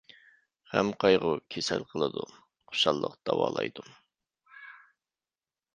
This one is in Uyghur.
غەم-قايغۇ كېسەل قىلىدۇ، خۇشاللىق داۋالايدۇ.